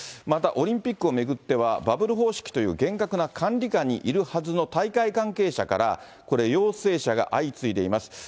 またオリンピックを巡っては、バブル方式という厳格な管理下にいるはずの大会関係者から、これ、陽性者が相次いでいます。